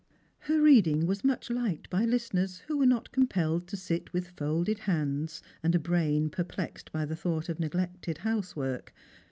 Her reading was much liked by listeners who were not com pelled to sit with folded hands and a brain perplexed by the thought of neglected housework.